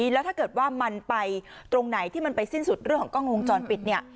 แล้วถ้าเกิดว่ามันไปตรงไหนที่มันไปสิ้นสุดเรื่องของกล้องวงจรปิดเนี่ย